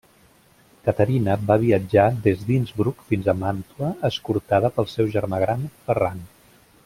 Caterina va viatjar des d'Innsbruck fins a Màntua escortada pel seu germà gran, Ferran.